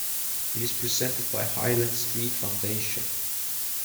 It is presented by Highland Street Foundation.